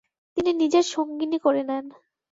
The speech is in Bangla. তিনি নিজের সঙ্গিনী করে নেন।